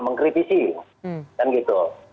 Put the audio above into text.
mengkritisi dan gitu